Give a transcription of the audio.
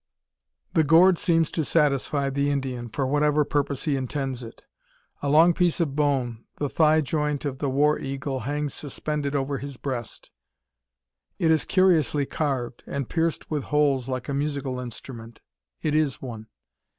The gourd seems to satisfy the Indian, for whatever purpose he intends it. A long piece of bone, the thigh joint of the war eagle, hangs suspended over his breast. It is curiously carved, and pierced with holes like a musical instrument. It is one.